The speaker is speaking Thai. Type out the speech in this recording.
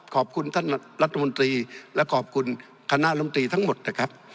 ขอบคุณท่านรัฐมนตรีและขอบคุณคณะลำตรีทั้งหมดนะครับ